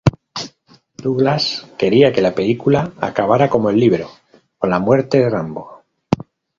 Douglas quería que la película acabara como el libro, con la muerte de Rambo.